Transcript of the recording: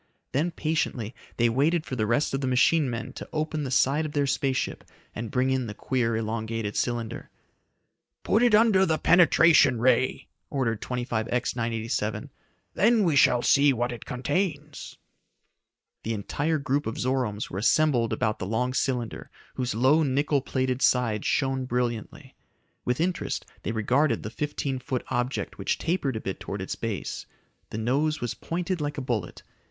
Then patiently they waited for the rest of the machine men to open the side of their space ship and bring in the queer, elongated cylinder. "Put it under the penetration ray!" ordered 25X 987. "Then we shall see what it contains!" The entire group of Zoromes were assembled about the long cylinder, whose low nickel plated sides shone brilliantly. With interest they regarded the fifteen foot object which tapered a bit towards its base. The nose was pointed like a bullet.